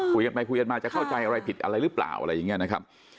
คุยกันไปคุยกันมาจะเข้าใจอะไรผิดอะไรหรือเปล่าอะไรอย่างนี้นะครับ